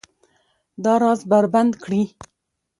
دا راز بربنډ کړي